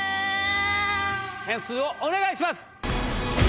点数をお願いします！